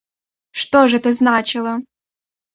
Что ж это значило?